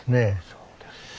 そうですね。